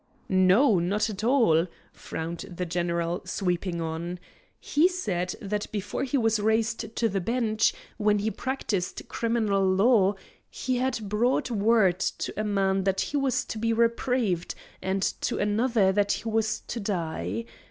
"No, not at all," frowned the general, sweeping on. "He said that before he was raised to the bench, when he practised criminal law, he had brought word to a man that he was to be reprieved, and to another that he was to die.